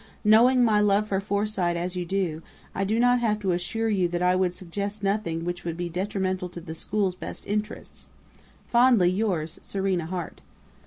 Knowing my love for Forsyte as you do, I do not have to assure you that I would suggest nothing which would be detrimental to the school's best interests.... Fondly yours, Serena Hart."